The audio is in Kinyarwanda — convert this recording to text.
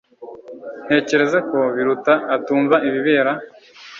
Ntekereza ko Biruta atumva ibibera